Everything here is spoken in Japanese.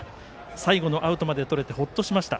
最後のアウトまでとれてほっとしました。